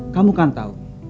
kamu kan tahu